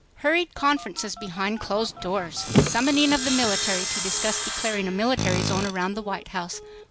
Hurried conferences behind closed doors! Summoning of the military to discuss declaring a military zone around the White House!